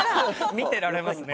「見てられますね」